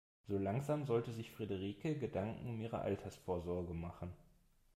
So langsam sollte sich Frederike Gedanken um ihre Altersvorsorge machen.